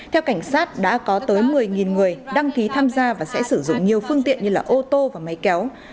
theo cảnh sát đã có tới một mươi người đăng ký tham gia và sẽ sử dụng nhiều phương tiện như ô tô và máy kéo